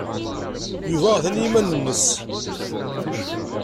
Yuba atan i yiman-nnes.